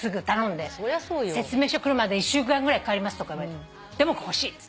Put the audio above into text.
「説明書来るまで１週間ぐらいかかります」とか言われてでも欲しい。